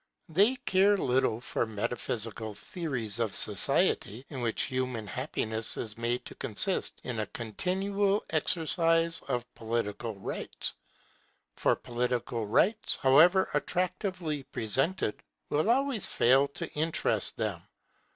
They care little for metaphysical theories of society in which human happiness is made to consist in a continual exercise of political rights; for political rights, however attractively presented, will always fail to interest them.